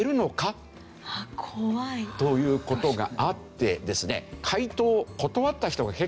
怖い。という事があってですね。